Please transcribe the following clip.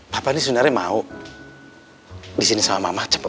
papa ini sebenarnya mau disini sama mama cepet